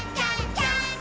ジャンプ！！」